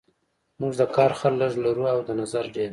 موږ د کار خلک لږ لرو او د نظر ډیر